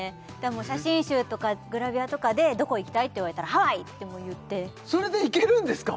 写真集とかグラビアとかで「どこ行きたい？」って言われたら「ハワイ！」って言ってそれで行けるんですか？